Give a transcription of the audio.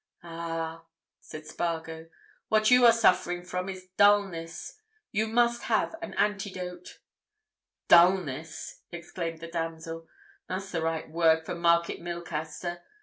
"Ah!" said Spargo. "What you are suffering from is dulness. You must have an antidote." "Dulness!" exclaimed the damsel. "That's the right word for Market Milcaster.